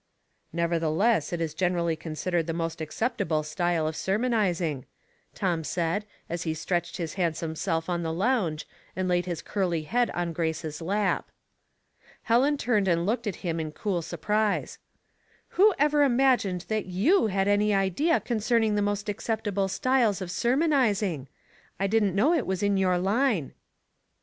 " Nevertheless it is generally considered the most acceptable style of sermonizing," Tom said, as he stretched his handsome self on the lounge, and laid his curly head on Grace's lap. Helen turned and looked at him in cool sur prise. " Who ever imagined that you had any idea concerning the most acceptable styles of ser monizing? I didn't know it was in your line."